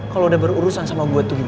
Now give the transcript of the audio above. kalau udah berurusan sama gue tuh gimana